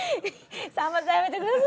さんまさんやめてください。